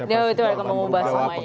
itu ada pengubah semuanya